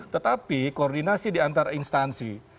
tetapi koordinasi di antar instansi